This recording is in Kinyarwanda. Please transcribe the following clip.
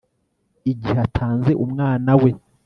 igihe atanze umwana we